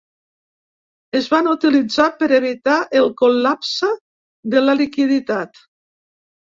Es van utilitzar per evitar el col·lapse de la liquiditat.